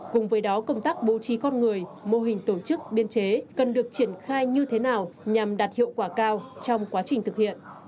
cùng với đó công tác bố trí con người mô hình tổ chức biên chế cần được triển khai như thế nào nhằm đạt hiệu quả cao trong quá trình thực hiện